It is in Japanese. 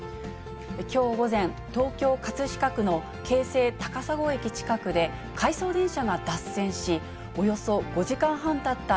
きょう午前、東京・葛飾区の京成高砂駅近くで、回送電車が脱線し、およそ５時間半たった